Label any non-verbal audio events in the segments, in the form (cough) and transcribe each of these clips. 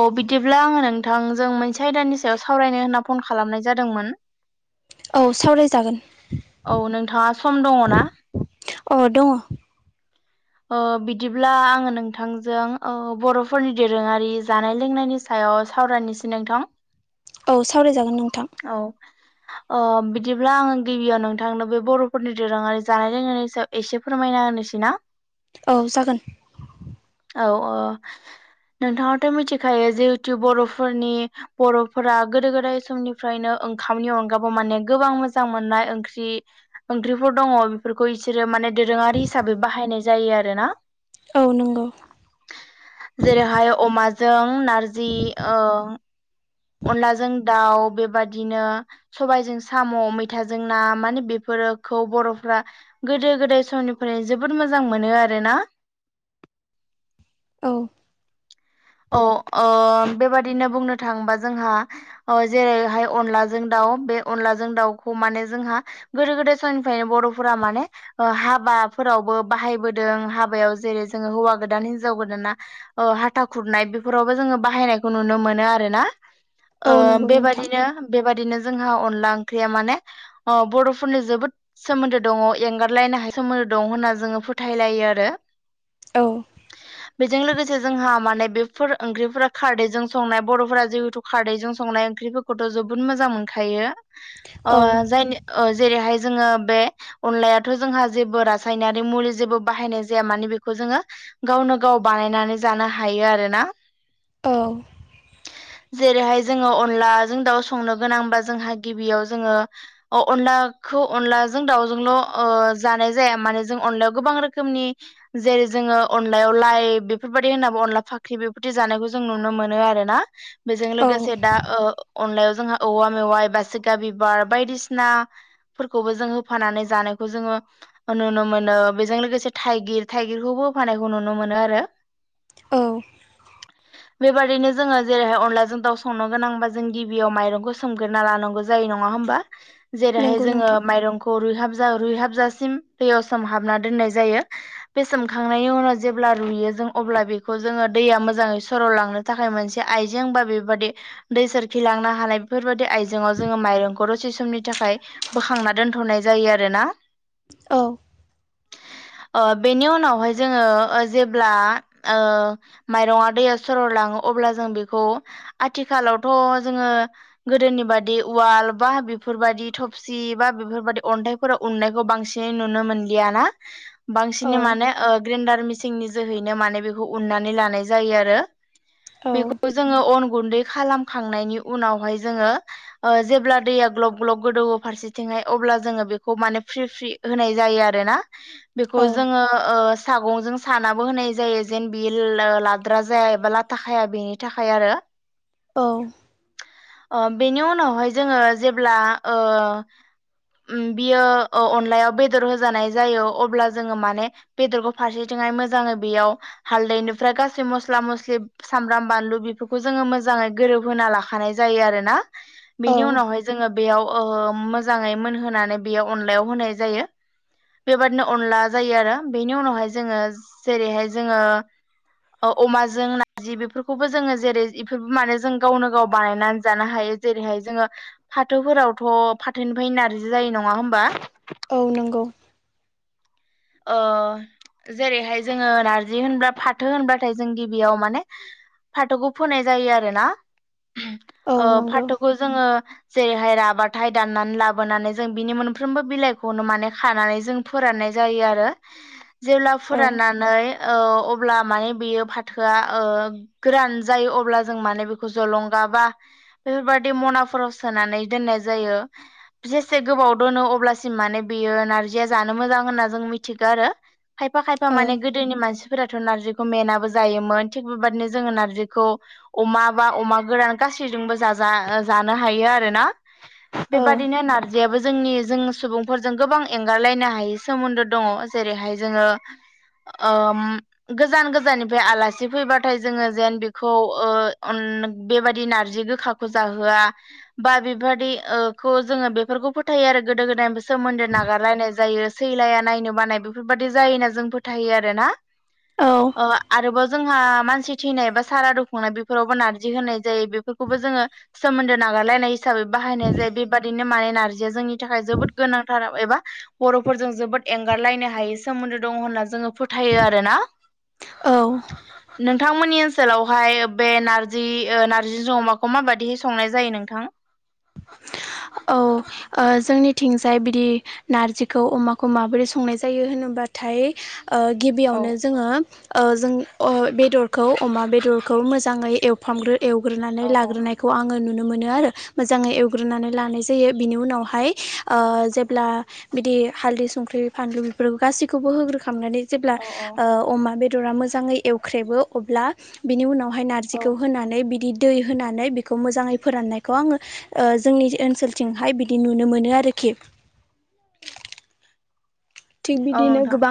औ बिदिब्ला आङो नोंथांजों मोनसे आयदानि सायाव सावरायनो होनना फन खालामनाय जादोंमोन औ सावरायजागोन औ नोंथाङा सम दङ ना? अ दङ बिदिब्ला आङो नोंथांजों बर'फोरनि दोरोङारि जानाय लोंनायनि सायाव सावरायनिसै नोंथां। औ सावरायजागोन नों औ बिदिब्ला आङो गिबियाव नोंथांनो बे बर'फोरनि दोरोङारि जानाय लोंनायनि सायाव एसे फोरमायना होनोसै। ना औ जागोन औ औ नोंथाङाथ' मिथिखायो जिहेतु बर'फोरनि बर'फोरा गोदो गोदाय समनि ओमफ्रायनो ओंखामनि अनगाबो माने गोबां मोजां मोननाय ओंख्रि ओंख्रिफोर दङ बेफोरखौ बिसोरो माने दोरोङारि हिसाबै बाहायनाय जायो आरो ना औ नंगौ जेरैहाय अमाजों नारजि अनलाजों दाउ बेबादिनो सबाइजों साम' मैथाजों ना माने बेफोर रो खौ बर'फोरा गोदो गोदाय समनिफ्राय जोबोद मोजां मोनो आरोना (inaudible) औ औ ओ बेबादिनो बुंनो थाङोबा जोंहा जेरैहाय अनलाजों दाउ आव बे अनलाजों दाउखौ माने जोंहा गोदो गोदाय समनिफ्रायनो बर'फोरा माने ओ हाबा फोरावबो बाहायबोदों हाबायाव जेरै जोङो हौवा गोदान हिनजाव गोदाना हाथा खुरनाय बेफोरावबो जोङो बाहायनायखौ नुनो मोनो आरोना ओ औ नंगौ नोंथां बेबादिनो बेबादिनो जोंहा अनला ओंख्रिया माने बर'फोरजों जोबोद सोमोनदो दङ एंगारलायनो हायै सोमोन्दो दं होनना जोङो फोथायलायो आरो औ बेजों लोगोसे जोंहा माने बेफोर ओंख्रिफोरा खारदैजों संनाय बर'फोरा जिहेथु खारदैजों संनाय ओंख्रिफोरखौथ जोबोद मोजां मोन खायो ओ औ जायनि ओ जेरैहाय जोङो बे अनलायाथ जोंहा जेबो रासायनारि मुलि जेबो बाहायनाय जाया माने बेखौ जोङो गावनो गाव बानायनानै जानो हायो आरोना औ जेरैहाय जोङो अनलाजों दाउ संनो गोनांबा जोंहा गिबियाव जोङो ओ अनला खौ अनलाजों दाउजोंल' जानाय जाया माने जों अनलायाव गोबां रोखोमनि जेरै जोङो अनलायाव लाइ बेफोरबायदि होनाबो अनला फाख ख्रि बेबादि जानायखौ जों नुनो मोनो आरो ना बेजों औ लोगोसे दा ओ अनलायाव जोंहा औवा मेवाइ बासिगा बिबार बायदिसिना फोरखौबो जों होफानानै जानायखौ जोङो नुनो मोनो बेजों लोगोसे थाइगिर थाइगिरखौबो होफानायखौ नुनो मोनो आरो औ बेबायदिनो जोङो जेरैहाय अनलाजों दाउ संनो गोनांबा जों गिबियाव माइरंखौ सोमग्रोना लानांगौ जायो नङा ङा होनबा जेरैहाय नंगौ जोङो नोंथां माइरंखौ रुयहाब जाव रुहाबजासिम दैयाव सोमहाबना दोननाय जायो बे सोमखांनायनि उनाव जेब्ला रुयो जों अब्ला बेखौ जोङो दैया मोजाङै सर'लांनो थाखाय मोनसे आइजें बा बेबादि दै सोरखिलांनो हानायफोरबादि आइजेंङाव जोङो माइरंखौ दसे समनि थाखाय बोखांना दोनथनाय जायो आरोना औ ओ बेनि उनावहाय जोङो ओ जेब्ला ओ माइरङा दैया सर' लाङो अब्ला जों बेखौ आथिखालावथ जोङो गोदोनि बादि उवाल बा बेफोरबायदि थफसि बा बेफोरबायदि अन्थाइफोराव उननायखौ बांसिन‌ नुनो मोनलिया ना औ बांसिनै माने ग्रेन्डार मिसिननि जोहैनो माने बेखौ उन्नानै लानाय जायो आरो औ बेखौ जोङो अन गुन्दै खालामखांनायनि उनावहाय जोङो जेब्ला दैया ग्लब ग्लब गोदौव फारसेथिंहाय अब्ला अब्ला जोङो बेखौ माने फ्रि फ्रि होनाय जायो आरोना बेखौ औ जोङो ओ सागंजों सानाबो होनाय जायो जेन बियो ला द्रा जाया एबा लाथा खाया बेनि थाखाय आरो औ ओ बेनि उनावहाय जोङो जेब्ला ओ बियो ओ अनलायाव बेदर होजानाय जायो अब्ला जोङो माने बेदरखौ फारसेथिं हाय मोजाङै बेयाव हालदैनिफ्राय गास सै मस्ला मस्लि सामब्राम बानलु बेफोरखौ जोङो मोजाङै गोरोबहोना लाखानाय जायो आरोना औ बेनि उनावहाय जोङो बेयाव ओ मोजाङै मोनहोनानै बेयो अनलायाव होनाय जायो बेबादिनो अनला जायो आरो बेनि उनावहाय जोङो जेरैहाय जोङो अमाजों नारजि बेफोरखौबो जोङो जेरै इफोरबो माने जों गावनो गाव बानायनानै जानो हायो जेरैहाय जोङो बिदि जायो नङा होमबा औ नंगौ। जेरैहाय जोङो नारजि होनबा फाथो होनबाथाय जों गिबियाव माने फाथोखौ फोनाय जायो आरो ना औ नंगौ फाथोखौ जोङो जेरैहाय राबाथायाइ दाननानै लाबोनानै जों बिनि मोनफ्रोमबो बिलाइखौनो माने खानानै जों फोराननाय जायो आरो जेब्ला औ फोराननानै अब्ला माने बियो फाथोआ गोरान जायो अब्ला जों माने बेखौ जलंगा। बेफोरबायदि मनाफोराव सोनानै दोननाय जायो जेसे गोबाव दोनो‌। अब्लासिम माने बेयो नारजिया जानो मोजां होनना जों मिथिगो आरो खायफा खायफा औ माने गोदोनि मानसि फोराथ' नारजिखौ मेनाबो जायोमोन थिग बेबायदिनो जोङो नारजिखौ अमा बा अमा गोरान गासै। गासैजोंबो जाजा जानो हायो आरोना। बेबादिनो नारजियाबो जोंनि जों सुबुंफोरजों गोबां एंगारलायनो हाय सोमोनदो दङ जेरैहाय जोङो गोजान गोजाननिफ्राय आलासि फैबाथाय जोङो जेन बेखौ ओ बेबायदि नारजि गोखाखौ जाहोआ। बा बेबायदिखौ जोङो बेफोरखौ फोथायो आरो गोदो गोदायनि सोमोनदो नागारलायनाय जायो। नायनो बानाय बेफोरबायदि जायो होनना जों फोथायो आरोना औ आरोबाव। जोंहा मानसि थैनाय बा सारादु खुंनाय बेफोरावबो नारजि होनाय जायो बेफोरखौबो जोङो सोमोनदो ना नागारलायनाय हिसाबै बाहायनाय जायो बेबादिनो माने नारजिया जोंनि थाखाय जोबोद गोनांथार एबा बर' फोरजों जोबोद एंगारलायनो हायै सोमोनदो दङ होनना जोङो फोथायो आरो ना। औ औ नोंथांमोननि ओनसोलावहाय बे नारजि नारजि जों अमाखौ माबायदिहै संनाय जायो नोंथां। औ जोंनिथिंजाय बिदि नारजिखौ अमाखौ माबोरै संनाय जायो होनो। होनबाथाय ओ औ गिबियावनो जोङो ओ जों बेदरखौ अमा बेदरखौ मोजाङै एवफामग्रो औ एवग्रोनानै औ लाग्रोनायखौ आङो नुनो मोनो आरो। मोजाङै एवग्रोनानै लानाय जायो बिनि उनावहाय जेब्ला बिदि हालदै संख्रि। बे फानलु बेफोरखौ गासैखौबो होग्रोखांनानै जेब्ला औ औ अमा बेदरा मोजाङै एवख्रेबो अब्ला बिनि उनाव। बेहाय औ नारजिखौ होनानै बिदि दै होनानै बेखौ मोजाङै फोराननायखौ आङो। जोंनि ओनसोलथिंहाय बिदि नुनो मोनो आरोखि। थिग औ बिदिनो नोंथां गोबां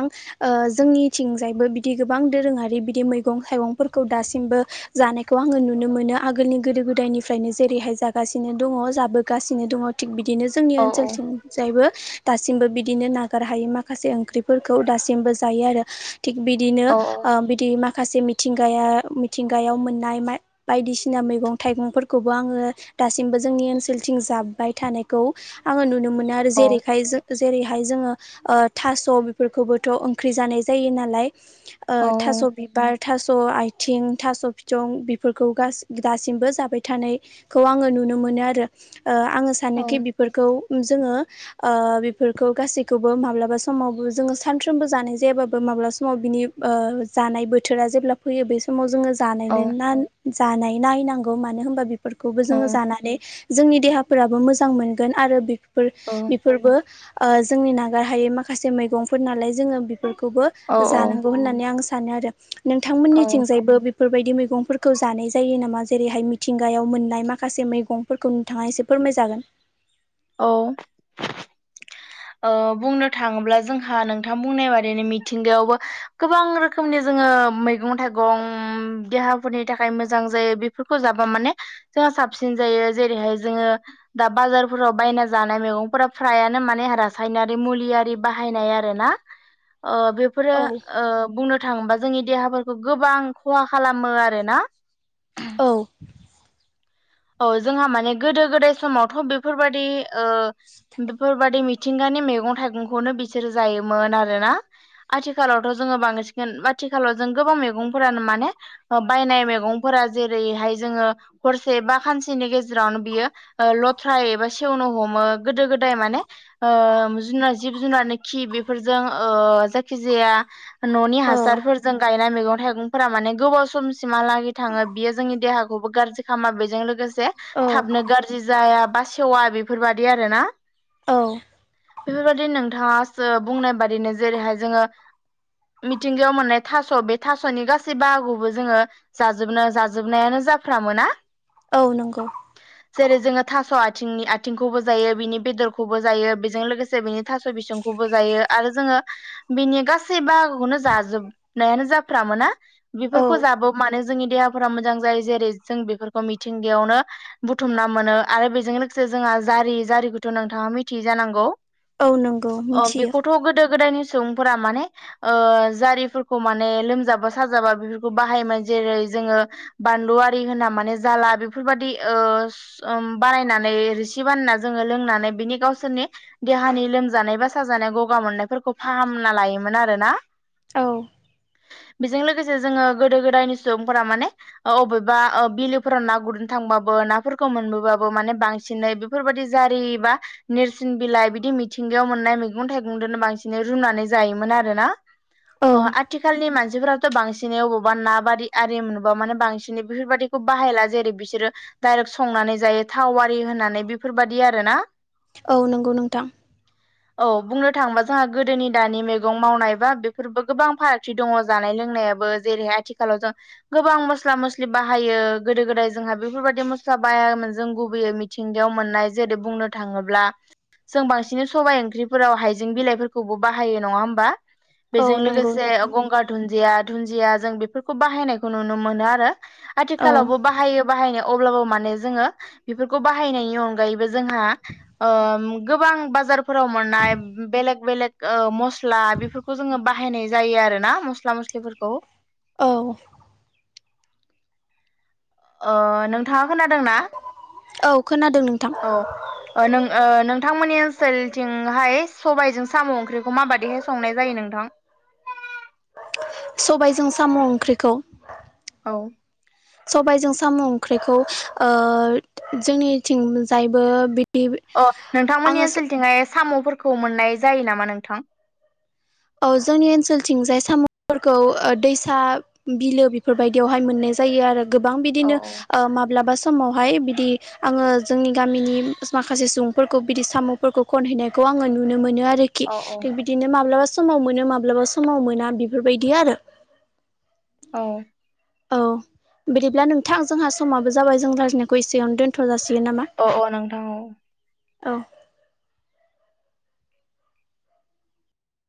जोंनिथिंजायबो बिदि गोबां दोरोङारि बिदि मैगं थाइगंफोरखौ दासिमबो जानायखौ। आङो नुनो मोनो आगोलनि गोदो गोदायनिफ्रायनो जेरैहाय जागासिनो दङ जाबोगासिनो दङ थिग बि बिदिनो जोंनि औ औ ओनसोलथिंजायबो दासिमबो बिदिनो नागारहायै माखासे। माखासे ओंख्रिफोरखौ दासिमबो जायो आरो थिग बिदिनो औ बिदि माख माखासे मिथिंगाया मिथिंगायाव मोननाय बायदिसिना मैगं थाइगंफोरखौबो आङो। दासिमबो जोंनि ओनसोलथिं जाबबाय थानायखौ आङो नुनो मोनो। नो जेरैहाय जेरैहाय जोङो। थास' बेफोरखौबोथ' ओंख्रि जानाय जायो नालाय औ थास' बिबार। थास' आथिं थास' फिथं बेफोरखौ दासिमबो जाबाय थानायखौ आङो नु नुनो मोनो आरो। आङो सानोखि बेफोरखौ जोङो बेफोरखौ गासैखौबो माब्लाबा। समावबो जोङो सानफ्रोमबो जानाय जायाबाबो माब्लाबा समाव बिनि औ जानाय बोथोरा जेब्ला फैयो बे समाव जोङो जानाय औ जानाय नायनांगौ मानो होनबा बेफोरखौबो औ जोङो जानानै। जोंनि देहाफोराबो मोजां मोनगोन आरो बेफोर बेफोरबो जोंनि नागार हायै माखासे मैगंफोर नालाय जोङो बेफोरखौबो औ जानांगौ होननानै आं सा सानो आरो औ नोंथांमोननिथिंजायबो बेफोरबायदि मैगंफोरखौ जानाय जायो नामा? जेरैहाय मिथिंगायाव मोननाय माखासे मैगंफोरखौ नोंथाङा एसे फोरमायजागोन। औ। बुंनो थाङोब्ला जोंहा नोंथां बुंनाय बायदिनो मिथिंगायावबो गोबां रोखोमनि जों मैगं थाइगं देहाफोरनि थाखाय मोजां जायो बेफोरखौ जाबा माने जों साबसिन जायो जेरैहाय जोङो दा बाजारफोराव बायना जानाय मैगंफोरा फ्रायानो माने हारा नारि मुलियारि बाहायनाय आरोना बेफोरो औ बुंनो थाङोबा जोंनि देहाफोरखौ गोबां खहा खालामो आरोना औ औ जोंहा माने गोदो गोदाय समावथ' बेफोरबादि ओ बेफोरबादि मिथिंगानि मैगं थाइगंखौनो बिसोरो जायोमोन आरोना आथिखालावथ' जोंङो बांसिन आथिखालाव जों गोबां मैगंफोरानो माने बायनाय मैगंफोरा जेरैहाय जोंङो हरसे बा सानसेनि गेजेरावनो बियो लथ्राय एबा सेवनो हमो गोदो गोदाय माने (unintelligible) जिब जुनारनो खि बेफोरजों ओ जायखि जाया न'नि औ हासारफोरजों गायनाय मेगं थाइगंफोरा माने गोबाव समसिमहालागै थांङो बियो जोंनि देहाखौबो गाज्रि खालामा बेजों लोगोसे औ थाबनो गाज्रि जाया बा सेवा बेफोरबायादि आरो ना औ बेफोरबाददि नोंथांङासो बुंनाय बादिनो जेरैहाय जोंङो मिथिंगायाव मोननाय थास' बे थास'नि गासै बाहागोबो जोंङो जाजोबनो जाजोबनायानो ज जाफ्रामोना औ नंगौ जेरै जोंङो थास' आथिं आथिंनि आथिंखौबो जायो बिनि बेदरखौबो जायो बेजों लोगोसे बिनि थास' बिसंखौबो जायो आरो जोंङो बिनि गासै बाहागोखौनो जाजोब नायानो जाफ्रा मोनोना औ बेफोरखौ जाबोब माने जोंनि देहाफोरा मोजां जायो जेरै जों बेफोरखौ मिथिं बेयावनो बुथुमना मोनो आरो बेजों लोगोसे जोंहा जारि जारिखौथ' नोंथांङा मिथियै जानांगौ औ नंगौ मिथियो बेखौथ' गोदो गोदायनि सुबुंफोरा माने जारिफोरखौ माने लोमजाबा साजाबा बेफोरखौ बाहायोमोन जेरै जोङो बानलुआरि होनना माने जाला बे बेफोर बायदि बारायनानै रिसि बानायना जोंङो लोंनानै बिनि गावसोरनि देहानि लोमजानाय बा साजानाय गगा मोननायफोरखौ फाहामना लायोमोन आरो ना औ बेजों लोगोसे जोंङो गोदो गोदायनि सुबुंफोरा माने बबेबा बिलोफोरा ना गुरनो थांबाबो नाफोरखौ मोनबोबाबो माने बांसिनै बेफोरबायदि जारि बा नेरसिन बिलाइ बिदि मिथिंगायाव मोननाय मैगं थाइगंजोंनो बांसिन रुनानै जायोमोन आरोना औ अ आथिखालनि मानसि मानसिफोराथ' बांसिनै अबावबा बारि आरि मोनोबा माने बांसिनै बेफोरबायाददिखौ बाहायला जेरै बि बिसोरो डायरेक्ट संनानै जायो थावारि होनानै बेफोरबायाददि आरो ना औ नंगौ नोंथां औ बुंनो थांङोबा जोंहा गोदोनि दानि मैगं मावनाय बा बेफोरबो गोबां फारागथि दंङौ जानायनि लोंनायाबो जेरैहाय आथिखालाव जों गोबां मस्ला मस्लि बाहायो गोदो गोदाय जोंहा बेफोरबायदि मस्ला बायामोन जों गुबैयै मिथिंगायाव मोननाय जेरै बुंनो थांङोब्ला जों बांसिन सबाइ ओंख्रिफोराव हाइजें बिलाइफोरखौबो बाहायो नंङा होमबा औ बेजों नंगौ लोगोसे नोंथां गंगार दुन्दिया दुुनन्दिया जों बेफोरखौ बाहायनायखौ नुनो मोनो आरो औ आथिखालावबो बाहायो अब्लाबो माने जोङो बेफोरखौ बाहायनायनि अनगायै जोंहा गोबां आं बाजारफोराव मोननाय बेलेग बेलेग मस्ला बेफोरखौ जोंङो बाहायनाय जायो आरोना मस्ला मस्लिफोरखौ औ नोंथांङा खोनादोंना औ खोनादों नोंथां औ नों नोंथांमोननि ओनसोलथिंहाय सबायजों साम' ओंख्रिखौ माबादिहाय संनाय जायो नोंथां सबायजों साम' ओंख्रिखौ औ सबबायजों साम' ओंख्रिखौ ओ जोंनिथिंजायबो बिदि अ नोंथांमोननि आङो ओनसोलथिं जाय साम'फोरखौ मोननाय जायो नामा नोंथां? औ जोंनि ओनसोलथिंजाय साम'फोरखौ ओ दैसा बिलो बेफोरबायदियावहाय मोन जायो आरो गोबां औ बिदिनो औ ओ माब्लाबा सम समावहाय बिदि आंङो जोंनि गामिनि माखासे सुबुंफोरखौ बिदि साम'फोरखौ खनहैनायखौ आङो नुनो मोनो आरोखि औ दं बिदिनो माब्लाबा समाव समाव मोनो माब्लाबा समाव मोना बेफोरबायदि आरो । औ औ बिदिब्ला नोंथां जोंहा समाबो जाबाय जों रायज्लायनायखौ एसेयावनो दोनथ'जासिगोन । अ अ नोंथां औ । औ